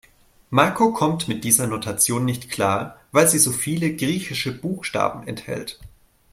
Marco kommt mit dieser Notation nicht klar, weil sie so viele griechische Buchstaben enthält.